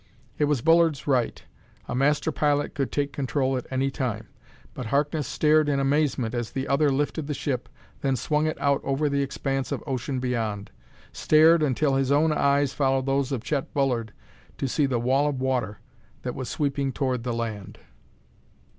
It was Bullard's right a master pilot could take control at any time but Harkness stared in amazement as the other lifted the ship, then swung it out over the expanse of ocean beyond stared until his own eyes followed those of Chet Bullard to see the wall of water that was sweeping toward the land.